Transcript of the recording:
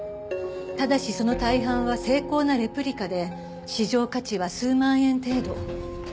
ただしその大半は精巧なレプリカで市場価値は数万円程度。